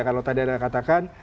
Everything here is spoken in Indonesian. kalau tadi ada yang katakan